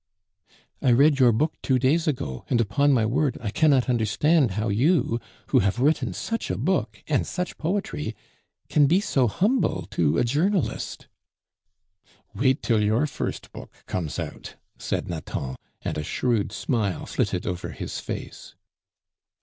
"I read your book two days ago; and, upon my word, I cannot understand how you, who have written such a book, and such poetry, can be so humble to a journalist." "Wait till your first book comes out," said Nathan, and a shrewd smile flitted over his face.